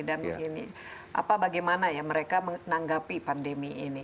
dan bagaimana ya mereka menanggapi pandemi ini